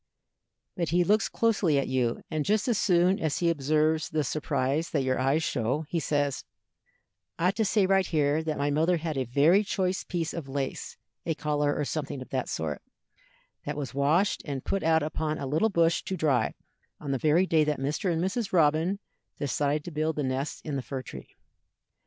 But he looks closely at you, and just as soon as he observes the surprise that your eyes show, he says: "I ought to say right here that my mother had a very choice piece of lace, a collar or something of that sort, that was washed and put out upon a little bush to dry on the very day that Mr. and Mrs. Robin decided to build the nest in the fir tree.